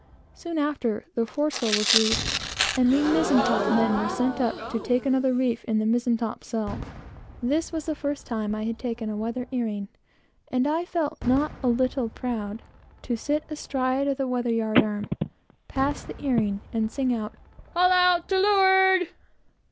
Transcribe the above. Soon after, the foresail was reefed, and we mizen top men were sent up to take another reef in the mizen topsail. This was the first time I had taken a weather earing, and I felt not a little proud to sit, astride of the weather yard arm, pass the earing, and sing out "Haul out to leeward!"